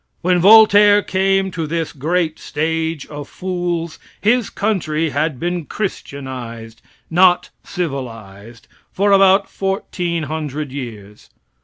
When Voltaire came to this "great stage of fools," his country had been christianized not civilized for about fourteen hundred years.